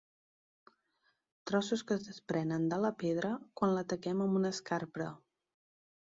Trossos que es desprenen de la pedra quan l'ataquem amb una escarpra.